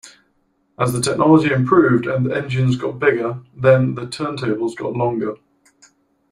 As the technology improved and engines got bigger, then the turntables got longer.